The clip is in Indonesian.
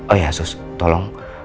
oh ya sus tolong